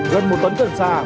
gần một tấn cân xa